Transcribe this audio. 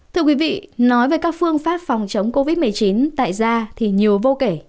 thưa quý vị nói về các phương pháp phòng chống covid một mươi chín tại ra thì nhiều vô kể